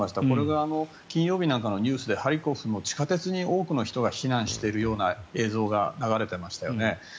これが金曜日なんかのニュースでハリコフの地下鉄に多くの人が避難しているような映像が流れていましたよね。